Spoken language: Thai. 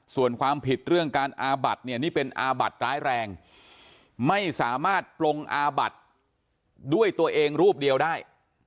ส่วนความผิดเรื่องการอาบัดเนี่ยนี่เป็นอาบัดร้ายแรงไม่สามารถปลงอาบัติด้วยตัวเองรูปเดียวได้